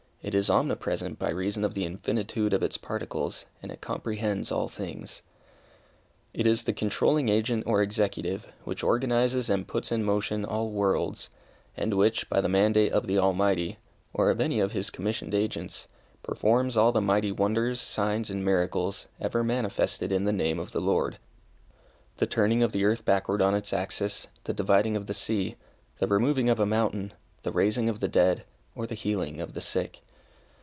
It is omnipresent by reason of the infinitude of its particles, and it comprehends all things. It is the controlling agent or executive, which organizes and puts in motion all worlds, and which, by the mandate of the Almighty, or of any of His commissioned agents, performs all the mighty wonders, signs and miracles, ever manifested in the name of the Lord the turning of the earth backward on its axis, the dividing of the sea, the removing of a mountain, the raising of the dead, or the healing of the sick.